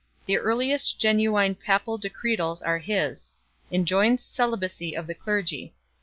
The earliest genuine papal decretals are his. Enjoins celibacy of the clergy.